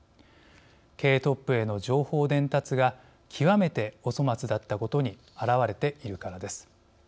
経営トップへの情報伝達が極めてお粗末だったことに表れているからです。